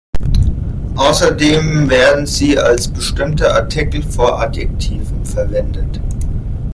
Außerdem werden sie als bestimmter Artikel vor Adjektiven verwendet.